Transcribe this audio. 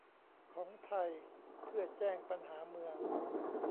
ของไทยเพื่อแจ้งปัญหาเมือง